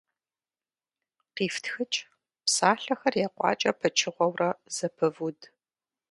КъифтхыкӀ, псалъэхэр екъуакӀэ пычыгъуэурэ зэпывуд.